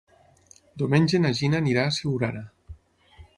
Diumenge na Gina anirà a Siurana.